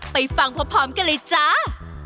ไปฟังพร้อมกันเลยจ้า